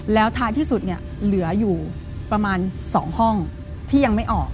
แล้วท้ายที่สุดเนี่ยเหลืออยู่ประมาณ๒ห้องที่ยังไม่ออก